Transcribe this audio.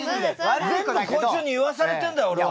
全部こいつに言わされてんだよ俺は。